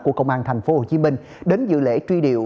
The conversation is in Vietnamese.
của công an tp hcm đến dự lễ truy điệu